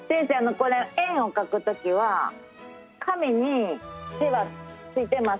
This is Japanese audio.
これ円をかく時は紙に手はついてますか？